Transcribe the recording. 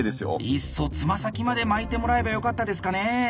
いっそ爪先まで巻いてもらえばよかったですかね？